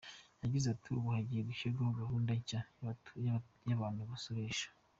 Yagize ati “Ubu hagiye gushyirwaho gahunda nshya y’abantu basoresha.